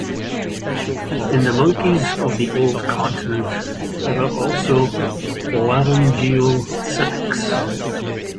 In the monkeys of the old continent there are also laryngeal sacs.